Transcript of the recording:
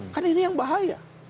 kan ini yang bahaya